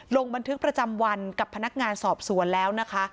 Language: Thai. ลงบันทึกประจำวันกับพนักงานสอบสวนแล้วนะคะ